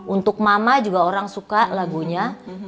untuk mama juga orang suka lagunya